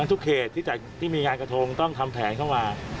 ทุกเขตที่มีงานกระทงต้องทำแผนเข้ามา